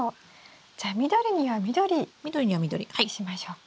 じゃあ緑には緑にしましょうか。